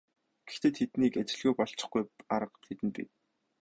Гэхдээ тэднийг ажилгүй болгочихгүй арга бидэнд бий.